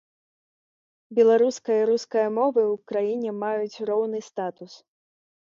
Беларуская і руская мовы ў краіне маюць роўны статус.